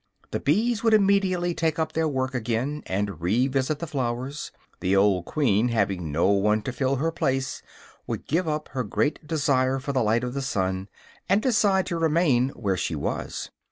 The bees would immediately take up their work again and revisit the flowers; the old queen, having no one to fill her place, would give up her great desire for the light of the sun, and decide to remain where she was.